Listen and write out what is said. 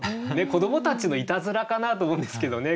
子どもたちのいたずらかなと思うんですけどね。